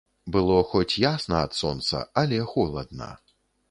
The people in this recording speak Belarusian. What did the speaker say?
Было хоць ясна ад сонца, але холадна.